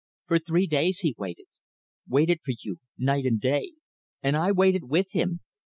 For three days he waited. Waited for you night and day. And I waited with him.